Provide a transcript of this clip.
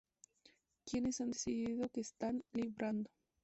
quienes han decidido que están librando